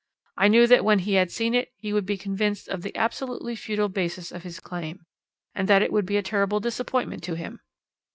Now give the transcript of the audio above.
I knew that when he had seen it he would be convinced of the absolutely futile basis of his claim, and that it would be a terrible disappointment to him.